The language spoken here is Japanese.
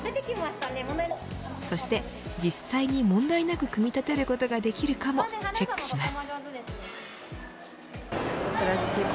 そして実際に問題なく組み立てることができるかもチェックします。